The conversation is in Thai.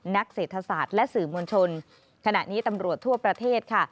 นักเศรษฐศาสตร์และสื่อมวลชนขณะนี้ตำรวจทั่วประเทศค่ะ